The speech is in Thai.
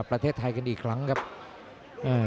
พอแค่แค่กะจริงออกมา